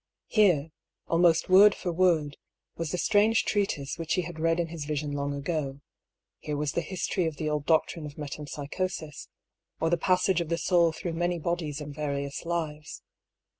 Here, almost word for word, was the strange treatise which he had read in his vision long ago ; here was the history of the old doctrine of Metempsychosis, or the passage of the Soul through many bodies in vari ous lives.